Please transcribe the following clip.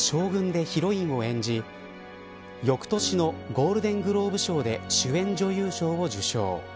ＳＨＯＧＵＮでヒロインを演じ翌年のゴールデングローブ賞で主演女優賞を受賞。